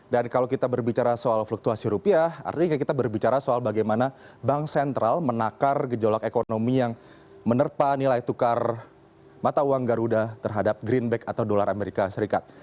dan kalau kita berbicara soal fluktuasi rupiah artinya kita berbicara soal bagaimana bank sentral menakar gejolak ekonomi yang menerpa nilai tukar mata uang garuda terhadap greenback atau dolar amerika serikat